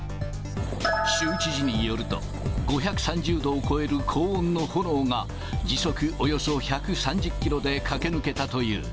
州知事によると、５３０度を超える高温の炎が、時速およそ１３０キロで駆け抜けたという。